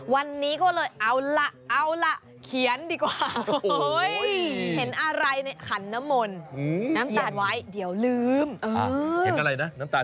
วันนี้ก็เลยเอาล่ะเอาล่ะ